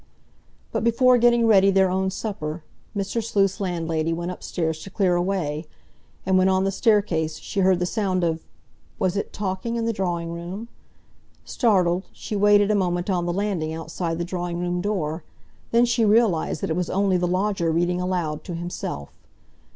But before getting ready their own supper, Mr. Sleuth's landlady went upstairs to clear away, and when on the staircase she heard the sound of—was it talking, in the drawing room? Startled, she waited a moment on the landing outside the drawing room door, then she realised that it was only the lodger reading aloud to himself.